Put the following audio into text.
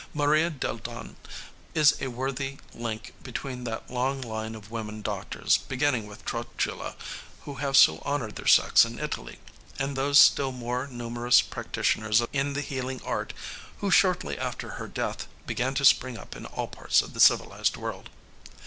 Maria dalle Donne is a worthy link between that long line of women doctors, beginning with Trotula, who have so honored their sex in Italy, and those still more numerous practitioners in the healing art who, shortly after her death, began to spring up in all parts of the civilized world.